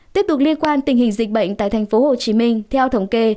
tiếp tục liên quan tình hình dịch bệnh tại tp hcm theo thống kê